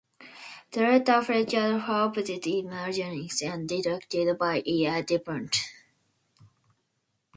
The latter featured her opposite Emil Jannings and directed by E. A. Dupont.